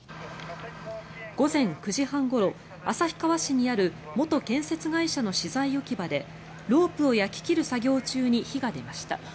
午前９時半ごろ旭川市にある元建設会社の資材置き場でロープを焼き切る作業中に火が出ました。